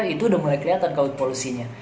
itu udah mulai kelihatan kait polusinya